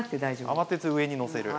慌てず上にのせる。